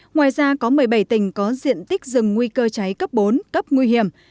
ngoài ra có một mươi bảy tỉnh có diện tích rừng nguy cơ cháy cấp bốn cấp nguy hiểm